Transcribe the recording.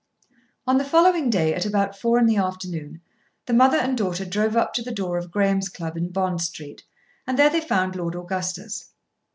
On the following day at about four in the afternoon the mother and daughter drove up to the door of Graham's Club in Bond Street, and there they found Lord Augustus.